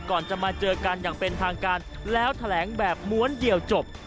ก่อนจะมาเจอกันอย่างเป็นทางการแล้วแถลงแบบม้วนเดียวจบ